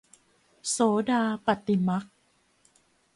โสดาปัตติมรรค